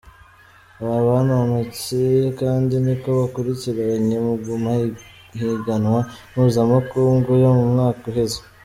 Aba banonotsi kandi niko bakurikiranye mu mahiganwa mpuzamakungu yo mu mwaka uheze.